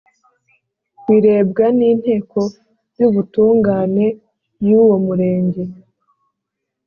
Birebwa n inteko y ubutungane yuwo murenge